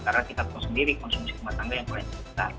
karena kita sendiri konsumsi rumah tangga yang paling besar